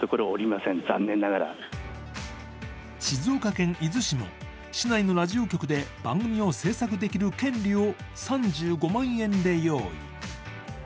静岡県伊豆市も、市内のラジオ局で番組を制作できる権利を３５万円で用意。